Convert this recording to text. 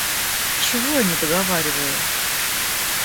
Чего я не договариваю?